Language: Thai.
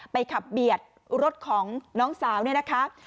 ขับเบียดรถของน้องสาวเนี่ยนะคะ